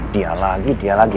dia lagi dia lagi